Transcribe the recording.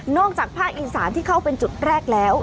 จากภาคอีสานที่เข้าเป็นจุดแรกแล้ว